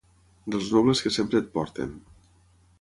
Dels nobles que sempre et porten.